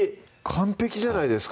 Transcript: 完璧じゃないですか？